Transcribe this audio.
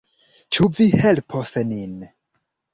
Ĉu vi helpos nin?